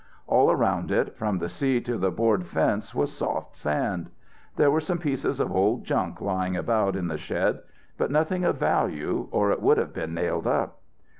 All round it, from the sea to the board fence was soft sand. There were some pieces of old junk lying about in the shed; but nothing of value or it would have been nailed up.